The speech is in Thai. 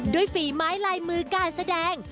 ด้วยฝีม้ายลายมือการแสดง